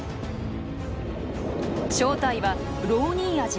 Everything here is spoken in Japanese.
正体はロウニンアジ。